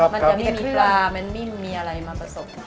มันจะมีปลามันไม่มีอะไรมาประสบ